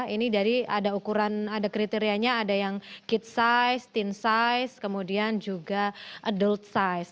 ini dari ada ukuran ada kriterianya ada yang kit size steen size kemudian juga adult size